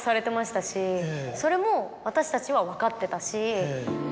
それも私たちは分かってたし。